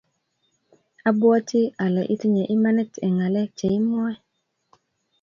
Abwoti ale itinye imanit eng ngalek che imwoe